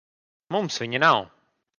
Mums viņa nav.